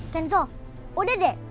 kenzo udah deh